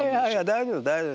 「大丈夫大丈夫」。